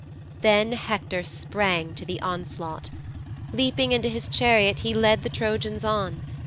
'Then Hector sprang to the onslaught. Leaping into his chariot he led the Trojans on.